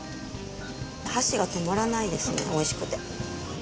箸が止まらないですねおいしくて。